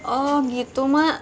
oh gitu mak